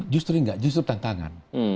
justru nggak justru tantangan